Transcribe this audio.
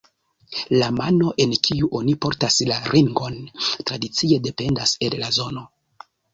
La mano en kiu oni portas la ringon tradicie dependas el la zono.